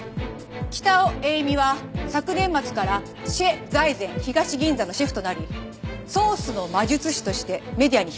北尾映見は昨年末からシェ財前東銀座のシェフとなりソースの魔術師としてメディアに引っ張りだこ。